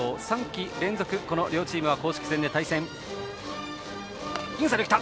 ３季連続、この両チームは公式戦で対戦。